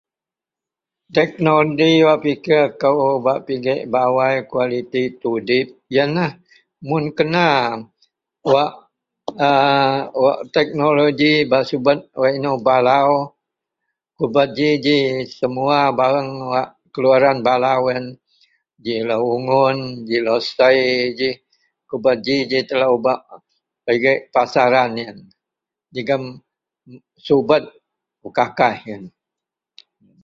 Teknoloji wak pikir kou bak pigek bawai kualiti tudip yenlah mun kena wak aaa wak teknoloji bak subet wak inou balau, kubeji ji semuwa bareng wak keluaran balau yen, ji lou ungun, ji lou sei ji, ku beji-ji telou bak pigek pasaran yen jegem subet pekakaih yen